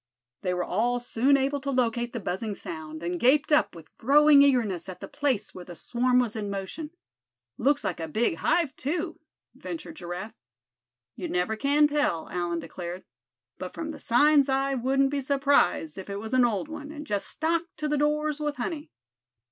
They were all soon able to locate the buzzing sound, and gaped up with growing eagerness at the place where the swarm was in motion. "Looks like a big hive, too," ventured Giraffe. "You never can tell," Allan declared; "but from the signs I wouldn't be surprised if it was an old one, and just stocked to the doors with honey."